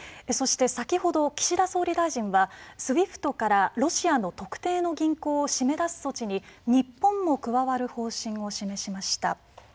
そして先ほど岸田総理大臣はＳＷＩＦＴからロシアの特定の銀行を締め出す措置に日本も加わる方針を示しました。